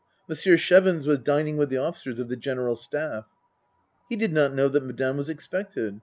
Monsieur Chevons was dining with the officers of the General Staff. He did not know that Madame was expected.